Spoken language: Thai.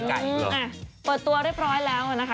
อ่ะเปิดตัวเรียบร้อยแล้วนะคะ